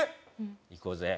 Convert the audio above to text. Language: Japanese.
いこうぜ！